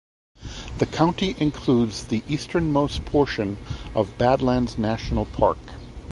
The county includes the easternmost portion of Badlands National Park.